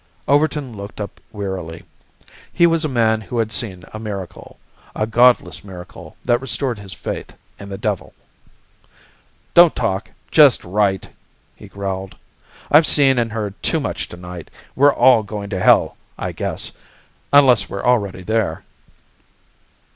Overton looked up wearily. He was a man who had seen a miracle, a godless miracle that restored his faith in the devil. "Don't talk just write!" he growled. "I've seen and heard too much to night. We're all going to hell, I guess unless we're already there."